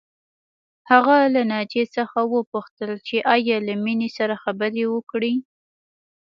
هغه له ناجیې څخه وپوښتل چې ایا له مينې سره خبرې وکړې